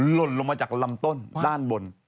หล่นลงมาจากลำต้นด้านบน